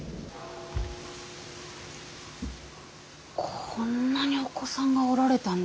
こんなにお子さんがおられたんですね。